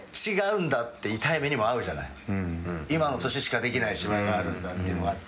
今の年しかできない芝居があるんだっていうのがあって。